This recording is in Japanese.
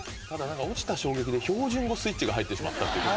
ただ何か落ちた衝撃で標準語スイッチが入ってしまったと。